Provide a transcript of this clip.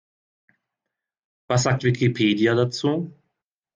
Was sagt Wikipedia dazu?